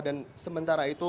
dan sementara itu